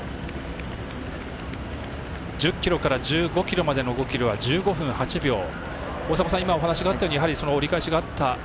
１０ｋｍから１５ｋｍまでの、５ｋｍは１５分８秒。